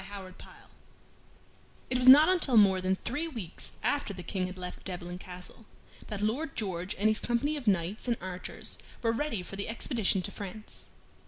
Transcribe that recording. CHAPTER 28 It was not until more than three weeks after the King had left Devlen Castle that Lord George and his company of knights and archers were ready for the expedition to France.